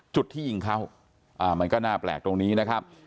จุดที่ยิงเขามันก็น่าแปลกตรงนี้นะครับ